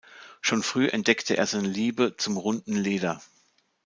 Schon früh entdeckte er seine Liebe zum runden Leder.